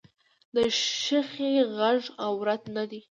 د ښخي غږ عورت نه دی